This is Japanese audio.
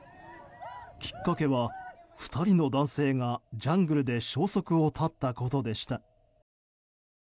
きっかけは２人の男性がジャングルで消息を絶ったことでした。